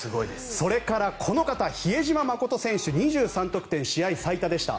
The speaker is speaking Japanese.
それからこの方、比江島慎選手２３得点、試合最多でした。